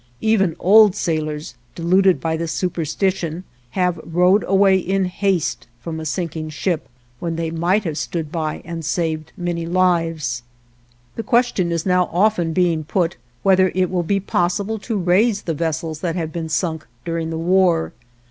Even old sailors, deluded by this superstition, have rowed away in haste from a sinking ship, when they might have stood by and saved many lives. The question is now often being put, whether it will be possible to raise the vessels that have been sunk during the war.